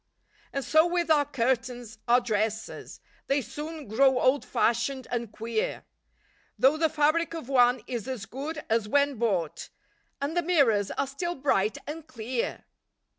And so with our curtains, our dressers, They soon grow "old fashioned" and "queer," Though the fabric of one is as good as when bought And the mirrors are still bright and clear.